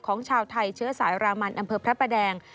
ของชาวไทยเชื้อสายรามันอำเภอพระประแดง